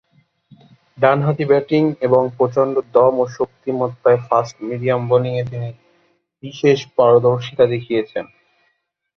ডানহাতি ব্যাটিং এবং প্রচণ্ড দম ও শক্তিমত্তায় ফাস্ট মিডিয়াম বোলিংয়ে তিনি বিশেষ পারদর্শিতা দেখিয়েছেন।